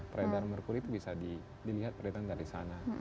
peredaran merkuri itu bisa dilihat perhitungan dari sana